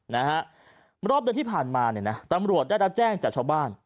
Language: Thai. นะฮะรอบเดือนที่ผ่านมาเนี่ยนะตำรวจได้รับแจ้งจากชาวบ้าน